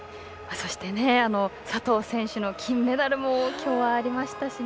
そして、佐藤選手の金メダルもきょうは、ありましたしね。